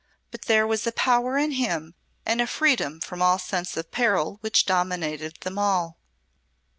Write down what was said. But there was a power in him and a freedom from all sense of peril which dominated them all.